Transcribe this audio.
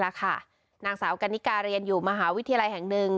เกิดเหตุนี้แหละค่ะนางสาวกัณฑิกาเรียนอยู่มหาวิทยาลัยแห่งหนึ่ง